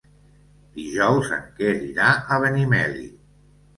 Dijous en Quer irà a Benimeli.